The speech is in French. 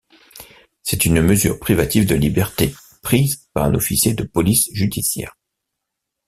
C'est une mesure privative de liberté, prise par un officier de police judiciaire.